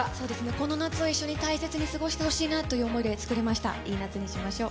この夏を一緒に大切に過ごしてほしいなという思いで作りました、いい夏にしましょう。